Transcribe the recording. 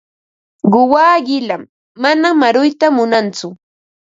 Quwaa qilam, manam aruyta munantsu.